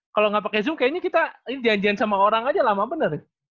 kalau nggak pakai zoom kayaknya kita janjian sama orang aja lama bener